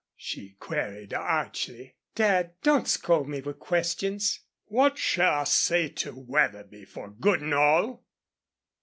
she queried, archly. "Dad, don't scold me with questions." "What shall I say to Wetherby for good an' all?"